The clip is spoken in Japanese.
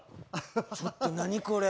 ちょっと何これ？